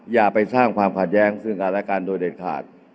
อย่าไปสร้างความขัดแย้งซึ่งกันและกันโดยเด็ดขาด